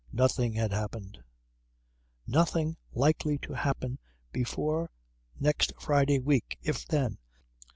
Nothing had happened. "Nothing's likely to happen before next Friday week, if then."